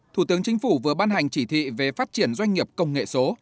thủ tướng chính phủ vừa ban hành chỉ thị về phát triển doanh nghiệp công nghệ số